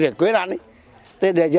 ở thành phố